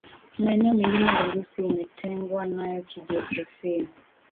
maeneo mengine ya Urusi umetengwa nayo kijiografia